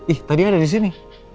ih tadi ada disini